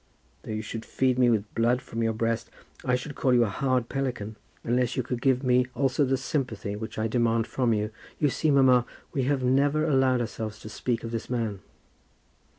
Though you should feed me with blood from your breast, I should call you a hard pelican, unless you could give me also the sympathy which I demand from you. You see, mamma, we have never allowed ourselves to speak of this man."